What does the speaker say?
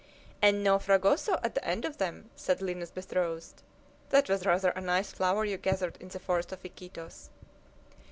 "And no Fragoso at the end of them!" said Lina's betrothed. "That was rather a nice flower you gathered in the forest of Iquitos!"